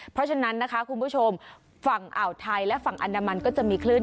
เพราะฉะนั้นนะคะคุณผู้ชมฝั่งอ่าวไทยและฝั่งอันดามันก็จะมีคลื่น